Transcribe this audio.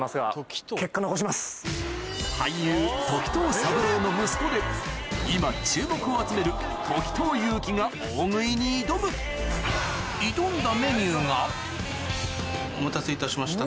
さらにの息子で今注目を集めるが大食いに挑む挑んだメニューがお待たせいたしました。